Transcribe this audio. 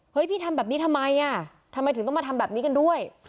พี่ทำแบบนี้ทำไมอ่ะทำไมทำไมถึงต้องมาทำแบบนี้กันด้วย